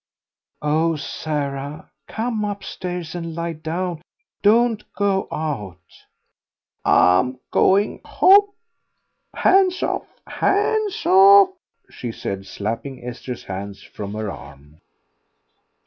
"Oh, Sarah, come upstairs and lie down. Don't go out." "I'm going home. Hands off, hands off!" she said, slapping Esther's hands from her arm.